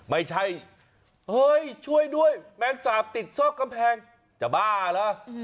ไม่ใช่เฮ้ยช่วยด้วยแมงสาบติดซอกกำแพงจะบ้าเหรอ